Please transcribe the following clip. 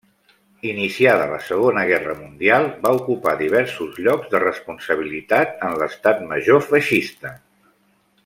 Iniciada la Segona Guerra Mundial va ocupar diversos llocs de responsabilitat en l'Estat Major feixista.